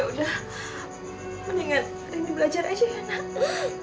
ya udah mendingan rini belajar aja ya nak